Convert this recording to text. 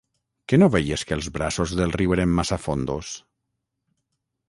Que no veies que els braços del riu eren massa fondos?